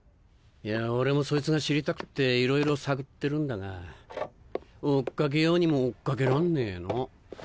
いや俺もそいつが知りたくっていろいろ探ってるんだが追っ掛けようにも追っ掛けらんねえの。